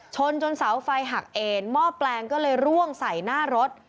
ชนจนเสาไฟหักเอ็นหม้อแปลงก็เลยร่วงใส่หน้ารถ